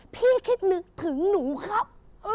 พี่คิดนึกถึงหนูครับ